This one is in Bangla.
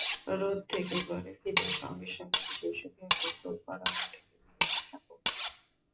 রোদ থেকে ঘরে ফিরেই সঙ্গে সঙ্গে শিশুকে গোসল করানো থেকে বিরত থাকুন।